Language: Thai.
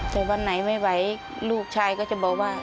แต่วันไหนไม่ไหวลูกชายก็จะบอกว่า